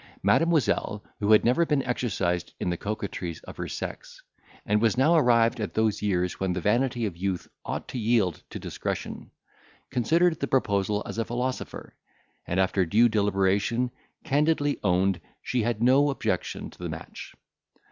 Mademoiselle, who had never been exercised in the coquetries of her sex, and was now arrived at those years when the vanity of youth ought to yield to discretion, considered the proposal as a philosopher, and after due deliberation candidly owned she had no objection to the match.